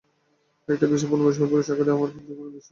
একটা বিশাল, পূর্ণ বয়স্ক পুরুষ, আকারে আমার দ্বিগুণেরও বেশি।